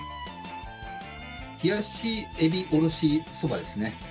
冷やし海老おろしそばですね。